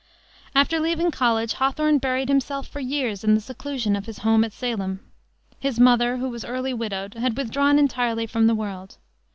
After leaving college Hawthorne buried himself for years in the seclusion of his home at Salem. His mother, who was early widowed, had withdrawn entirely from the world.